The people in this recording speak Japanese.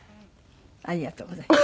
ありがとうございます。